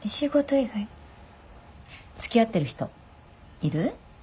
つきあってる人いる？